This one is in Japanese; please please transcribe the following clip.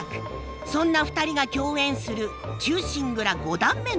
そんな２人が共演する「忠臣蔵五段目」の場面。